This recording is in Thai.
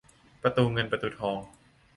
ประตูเงินประตูทอง